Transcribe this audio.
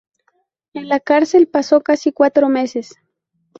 En la cárcel pasó casi cuatro meses.